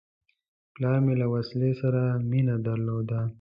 پلار مې له وسلې سره مینه درلوده.